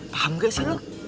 paham gak sih lo